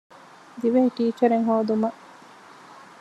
ދިވެހި ޓީޗަރެއް ހޯދުމަށް